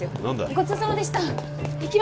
ごちそうさまでした何だ？